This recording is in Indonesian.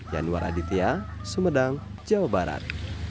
yanuar aditya sumedang jawa barat